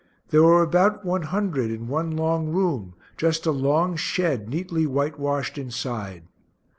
There were about 100 in one long room, just a long shed neatly whitewashed inside.